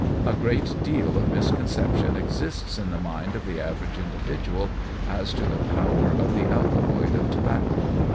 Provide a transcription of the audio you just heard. A great deal of misconception exists in the mind of the average individual as to the power of the alkaloid of tobacco.